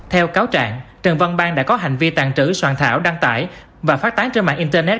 theo cáo trạng trần văn bang đã có hành vi tàn trữ soạn thảo đăng tải và phát tán trên mạng internet